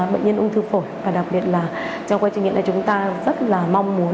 bệnh nhân ung thư phổi và đặc biệt là trong quá trình nghiệm này chúng ta rất là mong muốn